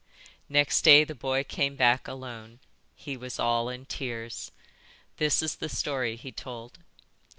"Next day the boy came back alone. He was all in tears. This is the story he told.